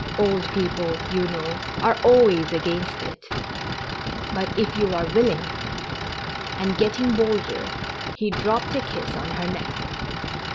" Old people, you know, are always against it ; but if you are wil ling " And, getting bolder, he dropped a kiss on her neck.